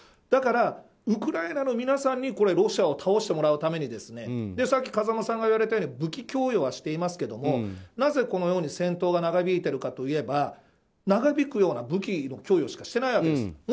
だから、ウクライナの皆さんにロシアを倒してもらうためにさっき風間さんが言われたように武器供与はしてますけどもなぜ戦闘が長引いているかといえば長引くような武器の供与しかしてないわけです。